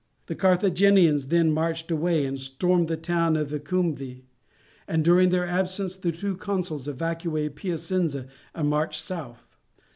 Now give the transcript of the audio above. The Carthaginians then marched away and stormed the town of Vicumve, and during their absence the two consuls evacuated Piacenza and marched south.